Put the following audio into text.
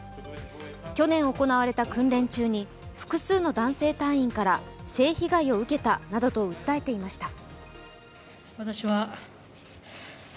去年、行われた訓練中に複数の男性隊員から性被害を受けたなどと訴えていました。